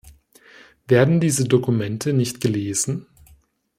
Werden diese Dokumente nicht gelesen?